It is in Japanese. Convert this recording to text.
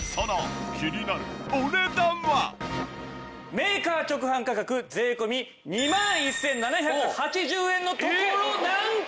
メーカー直販価格税込２万１７８０円のところをなんと！